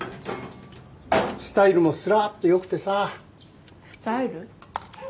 スタイルもスラッとよくてさスタイル？